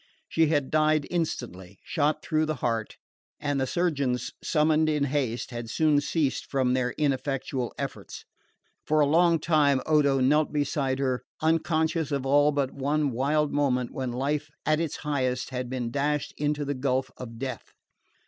She had died instantly, shot through the heart, and the surgeons summoned in haste had soon ceased from their ineffectual efforts. For a long time Odo knelt beside her, unconscious of all but that one wild moment when life at its highest had been dashed into the gulf of death.